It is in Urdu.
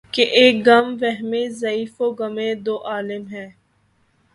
کہ ایک وہمِ ضعیف و غمِ دوعالم ہے